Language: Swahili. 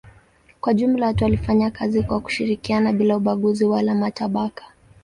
Kwa jumla watu walifanya kazi kwa kushirikiana bila ubaguzi wala matabaka.